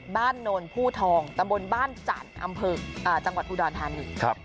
บ้านนนท์ผู้ทองตำบลบ้านจันทร์อำเภิกอ่าจังหวัดอุดรธานีครับ